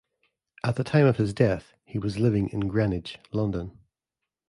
At the time of his death, he was living in Greenwich, London.